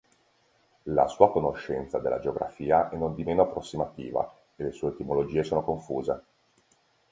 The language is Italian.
La sua conoscenza della geografia è nondimeno approssimativa e le sue etimologie sono confuse.